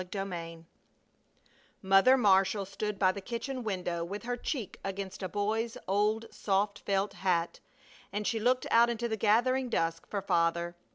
CHAPTER X Mother Marshall stood by the kitchen window, with her cheek against a boy's old soft felt hat, and she looked out into the gathering dusk for Father.